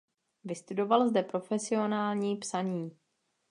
Vystudoval zde profesionální psaní.